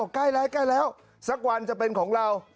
บอกใกล้แล้วแล้วสักวันจะเป็นของเรา